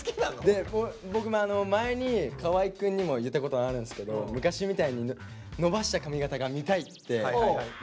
で僕も前に河合くんにも言ったことがあるんですけど昔みたいに伸ばした髪型が見たいって一回言ったことがあって。